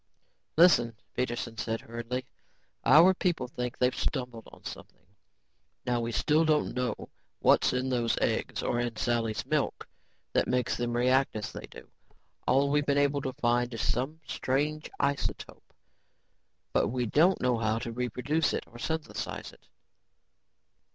"Listen," Peterson said hurriedly, "our people think they've stumbled on something. Now we still don't know what's in those eggs or in Sally's milk that make them react as they do. All we've been able to find is some strange isotope but we don't know how to reproduce it or synthesize it.